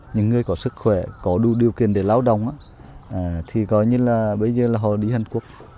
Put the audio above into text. những người có sức khỏe có đủ điều kiện để lao động thì gọi như là bây giờ là họ đi hàn quốc